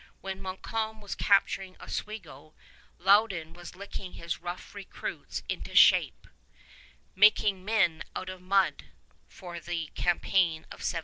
While Montcalm was capturing Oswego, Loudon was licking his rough recruits into shape, "making men out of mud" for the campaign of 1757.